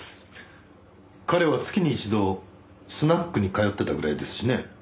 彼は月に一度スナックに通ってたぐらいですしね。